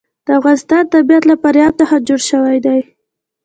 د افغانستان طبیعت له فاریاب څخه جوړ شوی دی.